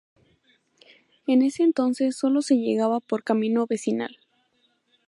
En ese entonces solo se llegaba por camino vecinal.